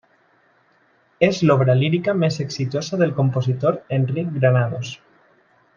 És l'obra lírica més exitosa del compositor Enric Granados.